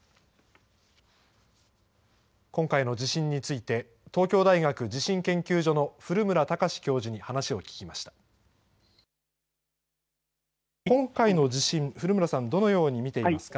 今回の地震について、東京大学地震研究所の古村孝志教授に今回の地震、古村さん、どのように見ていますか。